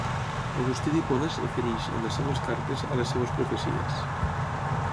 Agustí d'Hipona es refereix, en les seves cartes, a les seves profecies.